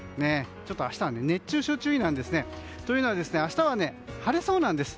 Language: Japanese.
明日は熱中症注意なんですね。というのも明日は晴れそうなんです。